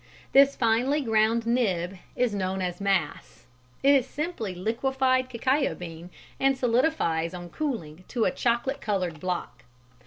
This finely ground nib is known as "mass." It is simply liquified cacao bean, and solidifies on cooling to a chocolate coloured block.